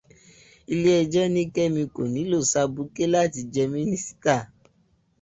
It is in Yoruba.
Iléẹjọ́ ní Kẹ́mi kò nílò sabuké láti jẹ mínísítà.